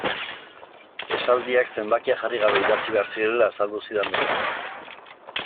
Esaldiak zenbakia jarri gabe idatzi behar zirela azaldu zidan Beñatek.